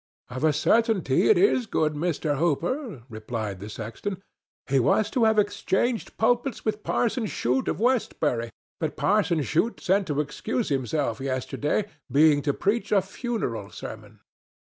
"Of a certainty it is good Mr. Hooper," replied the sexton. "He was to have exchanged pulpits with Parson Shute of Westbury, but Parson Shute sent to excuse himself yesterday, being to preach a funeral sermon."